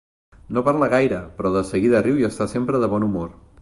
No parla gaire, però de seguida riu i està sempre de bon humor.